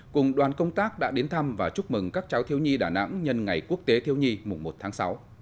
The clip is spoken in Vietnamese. cùng đoàn công tác đã đến thăm và chúc mừng các cháu thiếu nhi đà nẵng nhân ngày quốc tế thiếu nhi mùng một tháng sáu